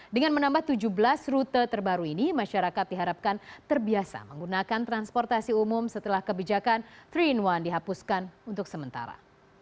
dengan menambah tujuh belas rute terbaru ini masyarakat diharapkan terbiasa menggunakan transportasi umum setelah kebijakan tiga in satu dihapuskan untuk sementara